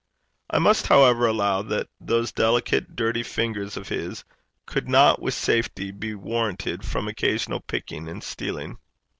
I must, however, allow that those delicate, dirty fingers of his could not with safety be warranted from occasional picking and stealing.